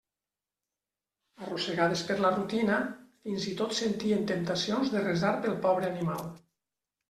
Arrossegades per la rutina, fins i tot sentien temptacions de resar pel pobre animal.